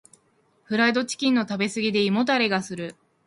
フライドチキンの食べ過ぎで胃もたれがする。